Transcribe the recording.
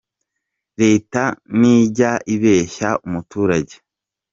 Leta ntijya ibeshya umuturage